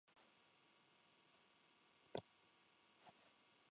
Es esencial reflexionar sobre el objetivo de introducir las redes sociales en el aula.